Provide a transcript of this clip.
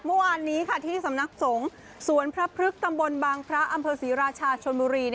เมื่อวานนี้ที่สำนักสงฆ์สวนพระพฤกษ์ตำบลบางพระอำเภอศรีราชาชนบุรี